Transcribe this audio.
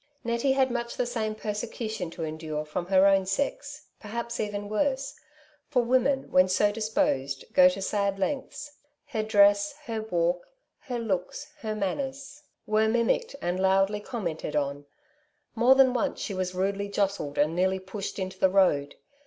Nettie had much the same persecution to endure from her own sex, perhaps even worse ; for women, when so disposed, go to sad lengths : her dress, her walk, her looks, her manners, were mimicked Castles in i/ie Air. 39 and loudly commented on ; more than once she was rudely jostled and nearly pushed into the road.